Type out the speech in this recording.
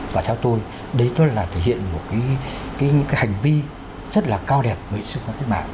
và theo tôi đấy nó là thể hiện một cái hành vi rất là cao đẹp của người dân sức mạnh